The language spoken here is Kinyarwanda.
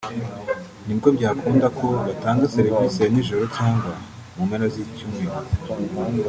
nibwo byakunda ko batanga serivisi ya nijoro cyangwa mu mpera z’icyumweru”